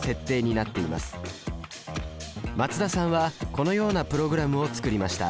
松田さんはこのようなプログラムを作りました。